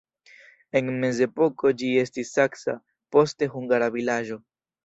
En mezepoko ĝi estis saksa, poste hungara vilaĝo.